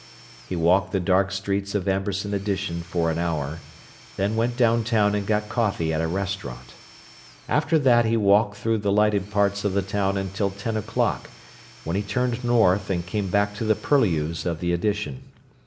He walked the dark streets of Amberson Addition for an hour, then went downtown and got coffee at a restaurant. After that he walked through the lighted parts of the town until ten o'clock, when he turned north and came back to the purlieus of the Addition.